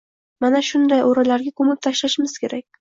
mana shunday o‘ralarga... ko‘mib tashlashimiz kerak.